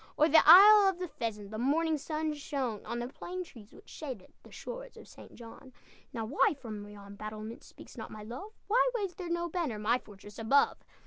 O'er the Isle of the Pheasant The morning sun shone, On the plane trees which shaded The shores of St. John. "Now, why from yon battlements Speaks not my love! Why waves there no banner My fortress above?"